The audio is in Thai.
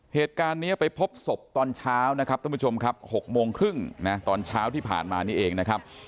เหตุการณ์นี้ไปพบศพตอนเช้านะครับท่านผู้ชมครับ๖โมงครึ่งนะตอนเช้าที่ผ่านมานี่เองนะครับ